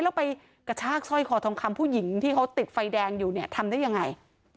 แล้วไปกระชากสร้อยคอทองคำผู้หญิงที่เขาติดไฟแดงอยู่เนี่ยทำได้ยังไง